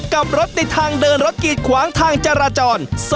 กับรถติดทางเดินรถกีดขวางทางจราจร